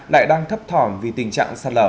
lại đang thấp thỏm vì tình trạng sạt lở